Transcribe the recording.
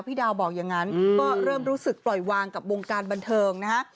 พี่ดาวบอกอย่างนั้นก็เริ่มรู้สึกปล่อยวางกับวงการบันเทิงนะฮะ